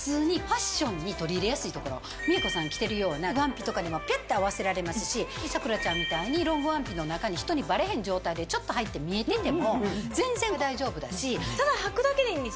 みえこさん着てるようなワンピとかにも合わせられますし咲楽ちゃんみたいにロングワンピの中に人にバレへん状態でちょっと履いて見えてても全然大丈夫だし。